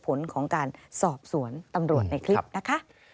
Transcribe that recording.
ผลของการสอบสวนตำรวจในคลิปนะคะ